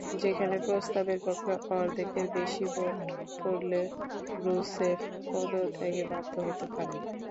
সেখানে প্রস্তাবের পক্ষে অর্ধেকের বেশি ভোট পড়লে রুসেফ পদত্যাগে বাধ্য হতে পারেন।